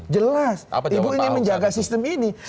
jelas ibu ini menjaga sistem ini